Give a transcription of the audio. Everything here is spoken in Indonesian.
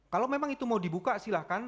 kalau memang itu mau dibuka silahkan